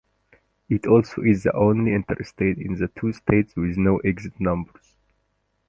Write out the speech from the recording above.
It also is the only Interstate in the two states with no exit numbers.